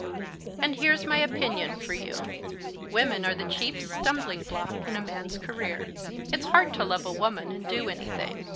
"And here's my opinion for you. Women are the chief stumbling block in a man's career. It's hard to love a woman and do anything.